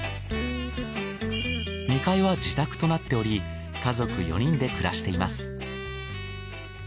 ２階は自宅となっており家族４人で暮らしています。